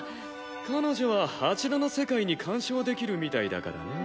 彼女はあちらの世界に干渉できるみたいだからね。